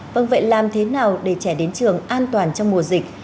vâng vậy làm thế nào để trẻ đến trường an toàn trong mùa dịch